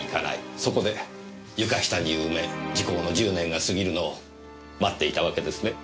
そこで床下に埋め時効の１０年が過ぎるのを待っていたわけですね。